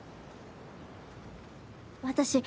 私